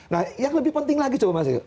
nah yang lebih penting lagi coba masuk